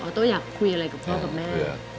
โต้อยากคุยอะไรกับพ่อกับแม่